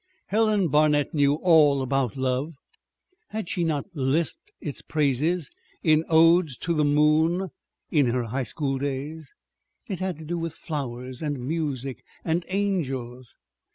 Helen Barnet knew all about love. Had she not lisped its praises in odes to the moon in her high school days? It had to do with flowers and music and angels.